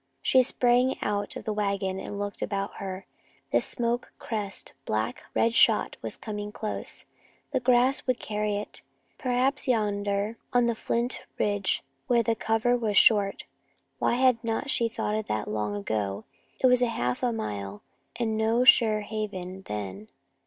She sprang out of the wagon and looked about her. The smoke crest, black, red shot, was coming close. The grass here would carry it. Perhaps yonder on the flint ridge where the cover was short why had she not thought of that long ago? It was half a mile, and no sure haven then.